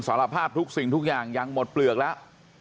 สารภาพทุกสิ่งทุกอย่างยังหมดเปลือกแล้ว